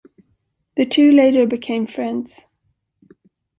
The two later became friends.